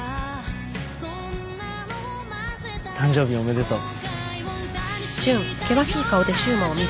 誕生日おめでとう。